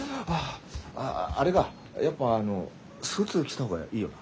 あああれかやっぱあのスーツ着た方がいいよな？